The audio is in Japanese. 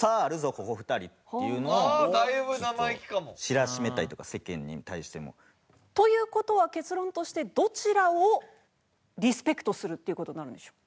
ここ２人っていうのを知らしめたいというか世間に対しても。という事は結論としてどちらをリスペクトするっていう事になるんでしょう。